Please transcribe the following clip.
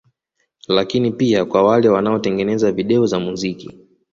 Lakini pia kwa wale wanaotengeneza Video za muziki